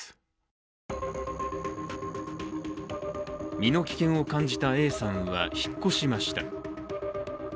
身の危険を感じたＡさんは引っ越しました。